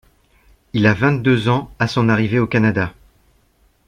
Il a vingt-deux ans à son arrivée au Canada.